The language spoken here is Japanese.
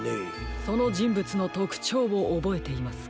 そのじんぶつのとくちょうをおぼえていますか？